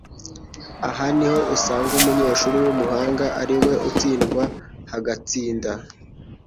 Aha niho usanga umunyeshuri w'umuhanga ari we utsindwa hagatsinda